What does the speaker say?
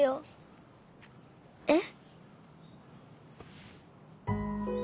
えっ？